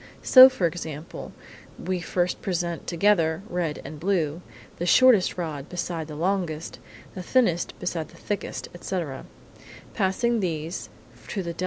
So, for example, we first present, together, red and blue; the shortest rod beside the longest; the thinnest beside the thickest, etc.